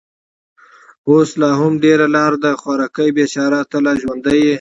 اوس هم ډېره لار ده. خوارکۍ، بېچاره، ته لا ژوندۍ يې؟